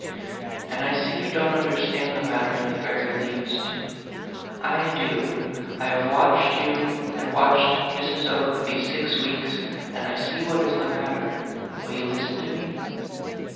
And I see you don't understand the matter in the very least. I do. I have watched you and watched Mrs. Oke these six weeks, and I see what is the matter. Will you listen to me?"